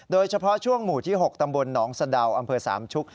โดยเฉพาะช่วงหมู่ที่๖ตำบลหนองสะดาวอำเภอสามชุก